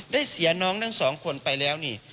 เสียน้องทั้งสองคนไปแล้วนี่